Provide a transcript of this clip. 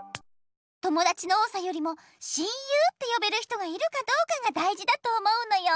ともだちの多さよりも親友ってよべる人がいるかどうかがだいじだと思うのよ。